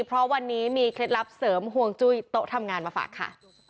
เพราะวันนี้มีเคล็ดลับเสริมห่วงจุ้ยโต๊ะทำงานมาฝากค่ะ